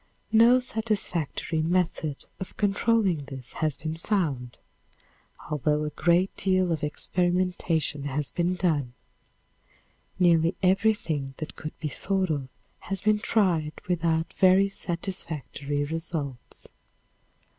No satisfactory method of controlling this has been found, although a great deal of experimentation has been done. Nearly everything that could be thought of has been tried without very satisfactory results.